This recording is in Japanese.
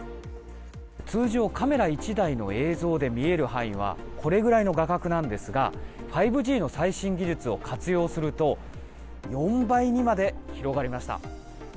通常、カメラ１台の映像で見える範囲はこれくらいなんですが５Ｇの最新技術を活用すると４倍にまで広がりました。